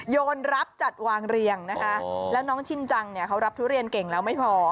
โยนรับจัดวางเรียงนะคะแล้วน้องชินจังเนี่ยเขารับทุเรียนเก่งแล้วไม่พอ